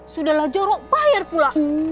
sudahlah jorok bayar pula